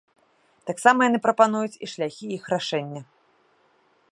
Таксама яны прапануюць і шляхі іх рашэння.